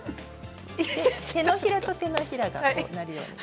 手のひらと手のひらがこうなるように。